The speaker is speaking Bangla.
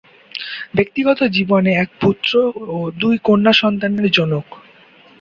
ব্যক্তিগত জীবনে এক পুত্র ও দুই কন্যা সন্তানের জনক।